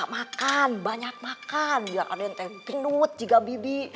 makan biar adik adiknya gendut juga bibi